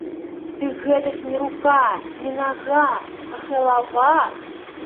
Дык гэта ж не рука, не нага, а галава!